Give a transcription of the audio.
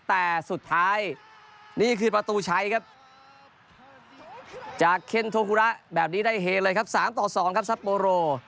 แต่สุดท้ายนี่คือประตูใช้ครับจากเคนโทคุระแบบนี้ได้เฮเลยครับ๓ต่อ๒ครับซัปโปโร